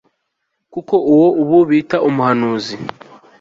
kuko uwo ubu bita umuhanuzi